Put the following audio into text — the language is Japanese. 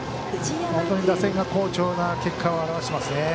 本当に打線が好調な結果を表していますね。